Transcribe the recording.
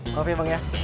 maaf ya bang ya